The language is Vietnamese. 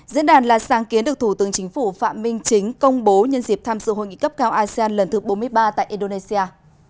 diễn đàn là sáng kiến được thủ tướng chính phủ phạm minh chính công bố nhân dịp tham dự hội nghị cấp cao asean lần thứ bốn mươi ba tại indonesia